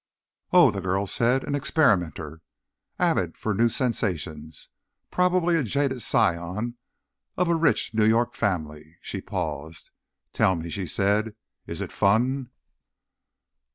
"Oh," the girl said. "An experimenter. Avid for new sensations. Probably a jaded scion of a rich New York family." She paused. "Tell me," she said, "is it fun?"